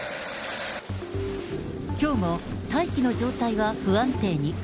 きょうも大気の状態は不安定に。